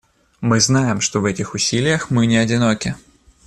Мы знаем, что в этих усилиях мы не одиноки.